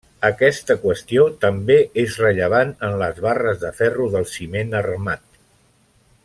Aquesta qüestió també és rellevant en les barres de ferro del ciment armat.